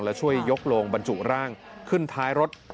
และช่วยยกโลงบรรจุร่างขึ้นท้ายรถ